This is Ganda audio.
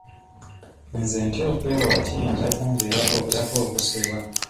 Nze ntya okwewola kubanga kiyinza okunviirako okusibwa.